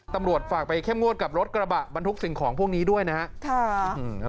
ตำรวจฝากไปเข้มงวดกับรถกระบะบรรทุกสิ่งของพวกนี้ด้วยนะครับ